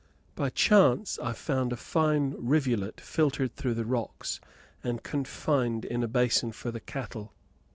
By chance I found a fine rivulet filtered through the rocks, and confined in a basin for the cattle.